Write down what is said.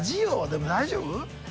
でも大丈夫？